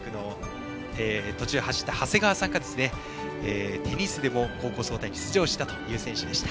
途中走った長谷川選手がテニスでも高校総体に出場した選手でした。